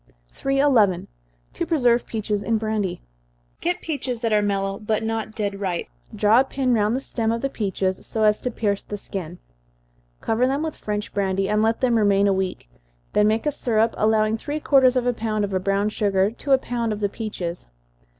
311. To Preserve Peaches in Brandy. Procure peaches that are mellow, but not dead ripe draw a pin round the seam of the peaches, so as to pierce the skin cover them with French brandy, and let them remain a week then make a syrup, allowing three quarters of a pound of brown sugar to a pound of the peaches.